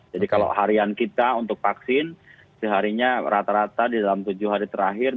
jadi kalau harian kita untuk vaksin seharinya rata rata di dalam tujuh hari terakhir